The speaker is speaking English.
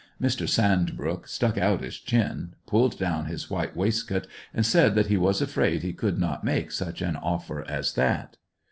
Mr. Sandbrook stuck out his chin, pulled down his white waistcoat, and said that he was afraid he could not make such an offer as that.